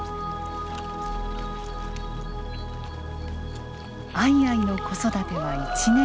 アイアイの子育ては１年ほど。